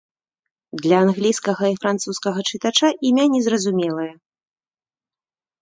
Для англійскага і французскага чытача імя незразумелае.